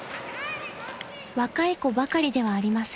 ［若い子ばかりではありません。